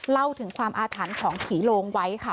เล่าถึงความอาถรรพ์ของผีโลงไว้ค่ะ